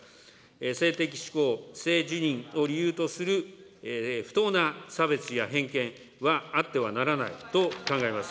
性的指向、性自認を理由とする不当な差別や偏見はあってはならないと考えます。